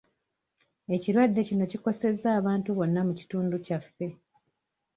Ekirwadde kino kikosezza abantu bonna mu kitundu kyaffe.